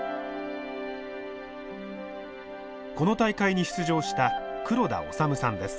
この大会に出場した黒田脩さんです。